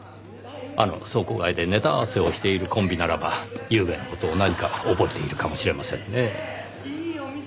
あの倉庫街でネタ合わせをしているコンビならばゆうべの事を何か覚えているかもしれませんねぇ。